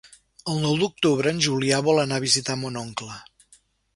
El nou d'octubre en Julià vol anar a visitar mon oncle.